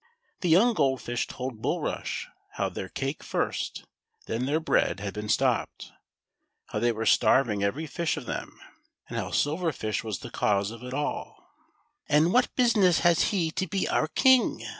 The young Gold Fish told Bulrush how their cake first, then their bread had been stopped ; how they were starving every fish of them ; and how Silver Fish was the cause of it all. "And what business has he to be our King.?"